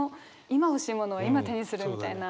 今欲しいものは今手にするみたいな。